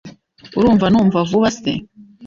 Urumva numva vuba se